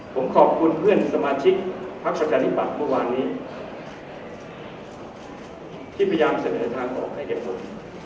ผมขอบคุณเพื่อนสมาชิกพักประชาธิบัติเมื่อวานนี้ที่พยายามเสนอทางออกให้กับผม